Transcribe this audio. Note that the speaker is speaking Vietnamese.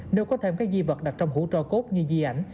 nếu có thêm các di vật đặt trong hũ cho cốt như di ảnh